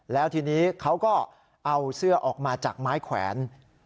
แล้วทีนี้เขาก็เอาเสื้อออกมาจากไม้แขวน